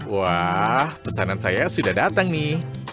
wah pesanan saya sudah datang nih